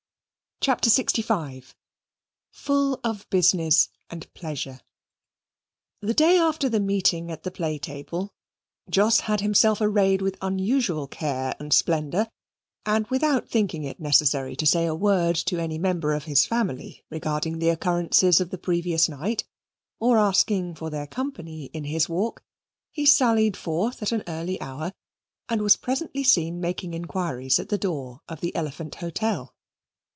CHAPTER LXV Full of Business and Pleasure The day after the meeting at the play table, Jos had himself arrayed with unusual care and splendour, and without thinking it necessary to say a word to any member of his family regarding the occurrences of the previous night, or asking for their company in his walk, he sallied forth at an early hour, and was presently seen making inquiries at the door of the Elephant Hotel.